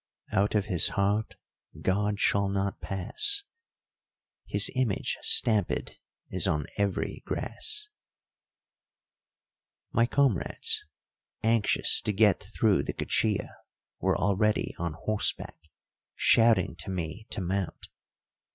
Out of his heart God shall not pass: His image stampèd is on every grass. My comrades, anxious to get through the Cuchilla, were already on horseback, shouting to me to mount.